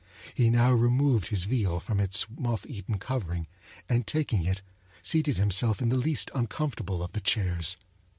He now removed his viol from its motheaten covering, and taking it, seated himself in the least uncomfortable of the chairs.